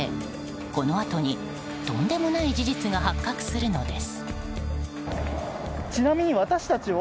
このあとにとんでもない事実が発覚するのです。